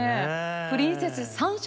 プリンセス三者